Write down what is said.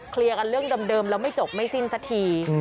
กันเรื่องเดิมแล้วไม่จบไม่สิ้นสักที